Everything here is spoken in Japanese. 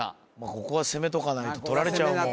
ここは攻めとかないととられちゃうもん